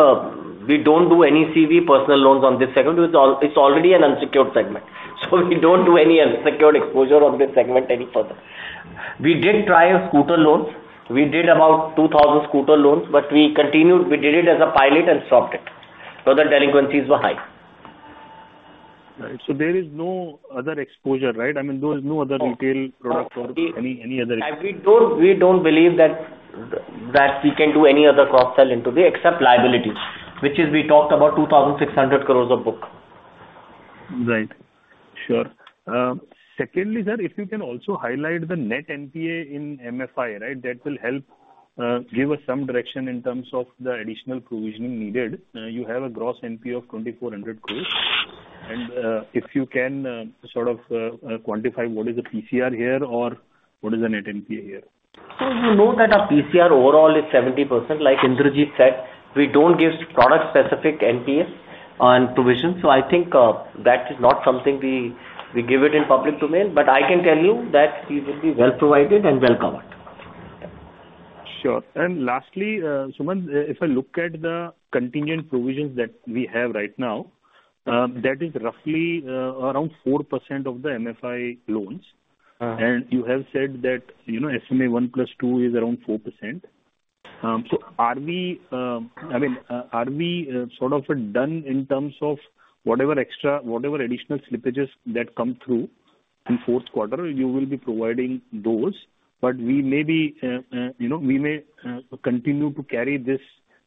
Speaker 2: we don't do any CV personal loans on this segment. It's already an unsecured segment, so we don't do any unsecured exposure on this segment any further. We did try a scooter loan. We did about 2,000 scooter loans, but we continued. We did it as a pilot and stopped it because the delinquencies were high.
Speaker 12: Right. So there is no other exposure, right? I mean, there is no other retail product or any other exposure.
Speaker 2: We don't believe that we can do any other cross-sell into the exempt liabilities, which is we talked about 2,600 crores of book.
Speaker 12: Right. Sure. Secondly, sir, if you can also highlight the net NPA in MFI, right, that will help give us some direction in terms of the additional provisioning needed. You have a gross NPA of 2,400 crores. And if you can sort of quantify what is the PCR here or what is the net NPA here.
Speaker 2: So you know that our PCR overall is 70%. Like Indrajit said, we don't give product-specific NPAs on provision. So I think that is not something we give it in public domain. But I can tell you that it will be well provided and well covered.
Speaker 12: Sure. And lastly, Sridharan, if I look at the contingent provisions that we have right now, that is roughly around 4% of the MFI loans. And you have said that SMA-1 plus 2 is around 4%. So are we - I mean, are we sort of done in terms of whatever extra, whatever additional slippages that come through in fourth quarter? You will be providing those, but we may be - we may continue to carry these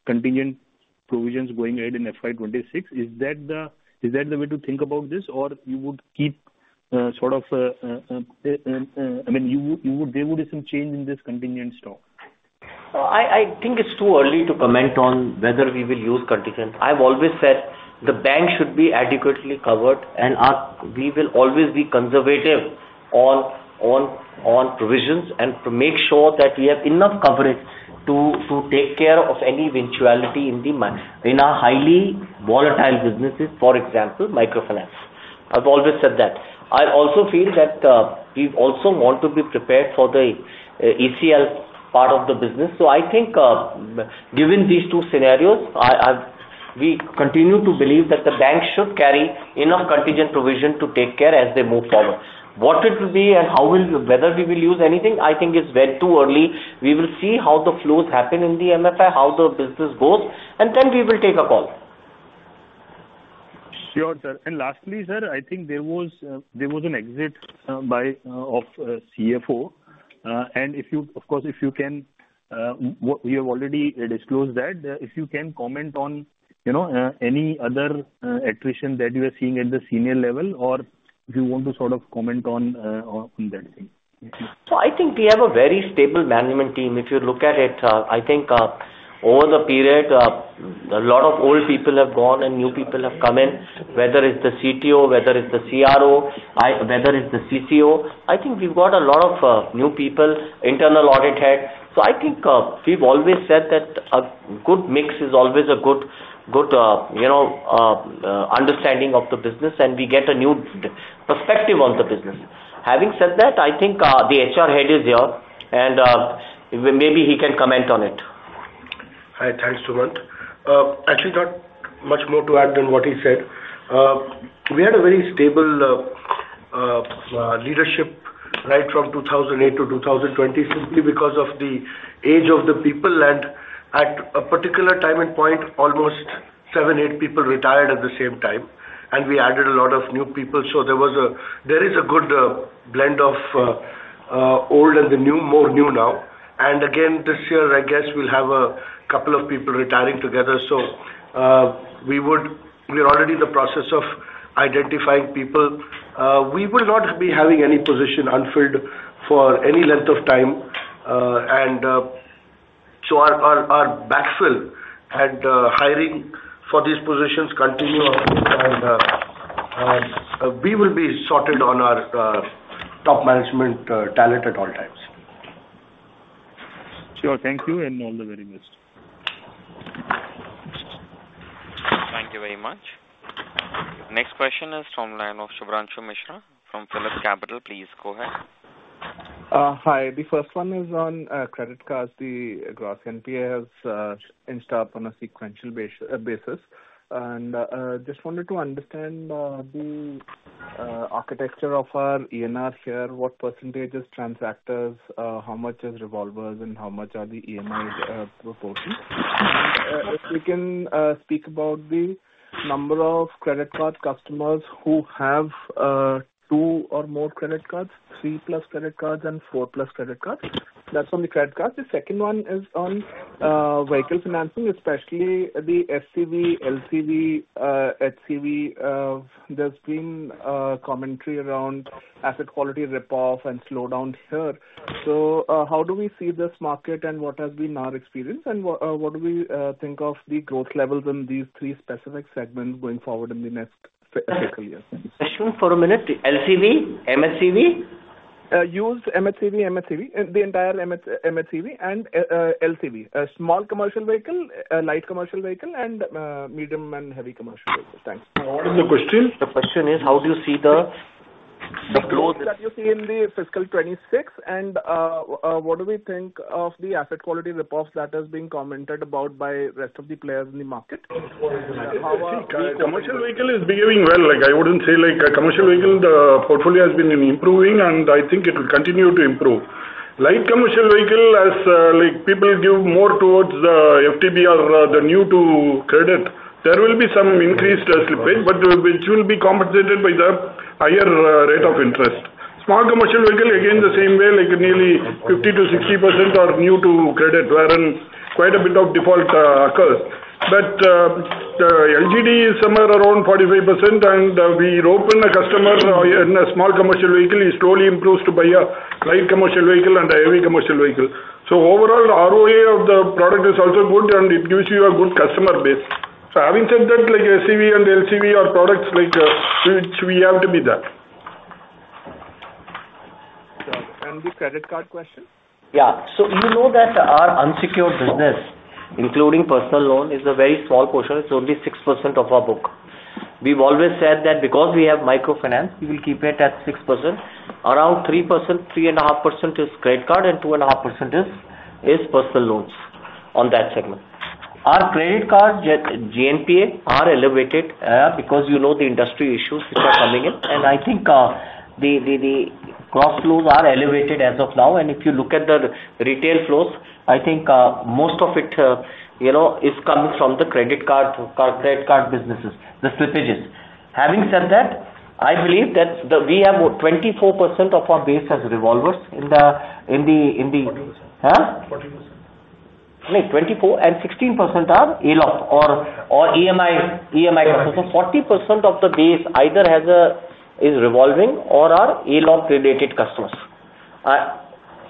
Speaker 12: contingent provisions going ahead in FY 2026. Is that the way to think about this, or you would keep sort of, I mean, you would, there would be some change in this contingent stock?
Speaker 2: So I think it's too early to comment on whether we will use contingent. I've always said the bank should be adequately covered, and we will always be conservative on provisions and make sure that we have enough coverage to take care of any eventuality in our highly volatile businesses, for example, microfinance. I've always said that. I also feel that we also want to be prepared for the ECL part of the business. So I think given these two scenarios, we continue to believe that the bank should carry enough contingent provision to take care as they move forward. What it will be and whether we will use anything, I think it's too early. We will see how the flows happen in the MFI, how the business goes, and then we will take a call.
Speaker 12: Sure, sir. And lastly, sir, I think there was an exit of CFO. And of course, if you can, we have already disclosed that. If you can comment on any other attrition that you are seeing at the senior level, or if you want to sort of comment on that thing.
Speaker 2: So I think we have a very stable management team. If you look at it, I think over the period, a lot of old people have gone and new people have come in, whether it's the CTO, whether it's the CRO, whether it's the CCO. I think we've got a lot of new people, internal audit head. So I think we've always said that a good mix is always a good understanding of the business, and we get a new perspective on the business. Having said that, I think the HR head is here, and maybe he can comment on it.
Speaker 13: Hi. Thanks, Sumant. Actually, not much more to add than what he said. We had a very stable leadership right from 2008 to 2020 simply because of the age of the people. And at a particular time and point, almost seven, eight people retired at the same time, and we added a lot of new people. So there is a good blend of old and the new, more new now. And again, this year, I guess we'll have a couple of people retiring together. So we're already in the process of identifying people. We will not be having any position unfilled for any length of time. Our backfill and hiring for these positions continue, and we will be sorted on our top management talent at all times.
Speaker 12: Sure. Thank you and all the very best.
Speaker 1: Thank you very much. Next question is from the line of Subhranshu Mishra from PhillipCapital. Please go ahead.
Speaker 14: Hi. The first one is on credit cards. The gross NPA has increased up on a sequential basis. And I just wanted to understand the architecture of our ENR here. What percentage is transactors? How much is revolvers? And how much are the EMI proportions? If we can speak about the number of credit card customers who have two or more credit cards, three plus credit cards, and four plus credit cards. That's on the credit cards. The second one is on vehicle financing, especially the SCV, LCV, HCV. There's been commentary around asset quality write-off and slowdown here. How do we see this market, and what has been our experience, and what do we think of the growth levels in these three specific segments going forward in the next fiscal year?
Speaker 2: For a minute, LCV, M&HCV?
Speaker 14: Used M&HCV, the entire M&HCV and LCV. Small commercial vehicle, light commercial vehicle, and medium and heavy commercial vehicles. Thanks.
Speaker 2: What is the question? The question is, how do you see the flows?
Speaker 14: The flows that you see in fiscal 2026, and what do we think of the asset quality write-offs that are being commented about by the rest of the players in the market?
Speaker 10: The commercial vehicle is behaving well. I would say the commercial vehicle portfolio has been improving, and I think it will continue to improve. Light commercial vehicle, as people give more towards the FTB or the new-to credit, there will be some increased slippage, but which will be compensated by the higher rate of interest. Small commercial vehicle, again, the same way, nearly 50%-60% are new-to credit, wherein quite a bit of default occurs. But LGD is somewhere around 45%, and we hope when a customer in a small commercial vehicle is slowly improved to buy a light commercial vehicle and a heavy commercial vehicle. So overall, the ROA of the product is also good, and it gives you a good customer base. So having said that, SCV and LCV are products which we have to be there.
Speaker 14: And the credit card question?
Speaker 2: Yeah. So you know that our unsecured business, including personal loan, is a very small portion. It's only 6% of our book. We've always said that because we have microfinance, we will keep it at 6%. Around 3%-3.5% is credit card, and 2.5% is personal loans on that segment. Our credit card GNPA are elevated because you know the industry issues which are coming in. And I think the gross flows are elevated as of now. And if you look at the retail flows, I think most of it is coming from the credit card businesses, the slippages. Having said that, I believe that we have 24% of our base as revolvers in the 40%? Huh? 40%. No, 24% and 16% are LOP or EMI customers. So 40% of the base either is revolving or are LOP-related customers.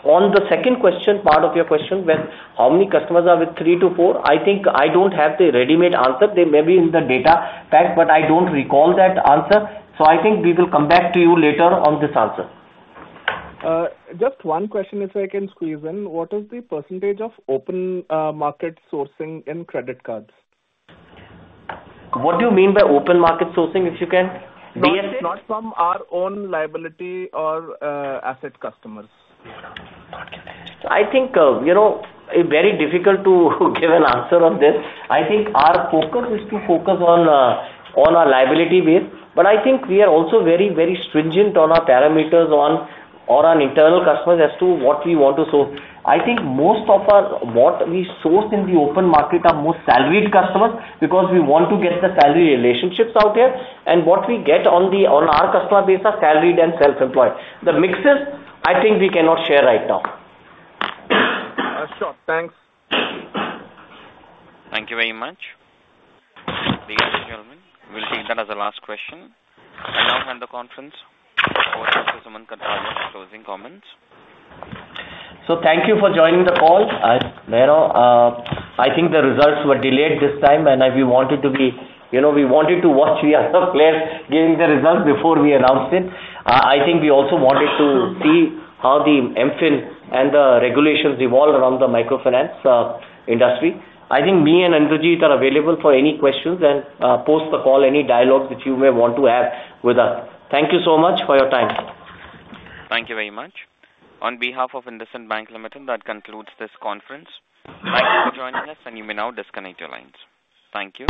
Speaker 2: On the second question, part of your question, how many customers are with three to four, I think I don't have the ready-made answer. They may be in the data pack, but I don't recall that answer. So I think we will come back to you later on this answer.
Speaker 14: Just one question, if I can squeeze in. What is the percentage of open market sourcing in credit cards?
Speaker 2: What do you mean by open market sourcing, if you can?
Speaker 14: Based not from our own liability or asset customers.
Speaker 2: So I think it's very difficult to give an answer on this. I think our focus is to focus on our liability base. But I think we are also very, very stringent on our parameters or on internal customers as to what we want to source. I think most of what we source in the open market are more salaried customers because we want to get the salary relationships out here, and what we get on our customer base are salaried and self-employed. The mixes, I think we cannot share right now.
Speaker 14: Sure. Thanks.
Speaker 1: Thank you very much, ladies and gentlemen. We'll take that as a last question. I now hand the conference over to Sridharan for closing comments.
Speaker 2: So thank you for joining the call. I think the results were delayed this time, and we wanted to be—we wanted to watch the other players getting the results before we announced it. I think we also wanted to see how the MFIN and the regulations evolve around the microfinance industry. I think me and Indrajit are available for any questions and post the call, any dialogue that you may want to have with us. Thank you so much for your time.
Speaker 1: Thank you very much. On behalf of IndusInd Bank Ltd, that concludes this conference. Thank you for joining us, and you may now disconnect your lines. Thank you.